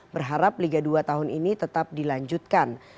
berharap liga dua tahun ini tetap dilanjutkan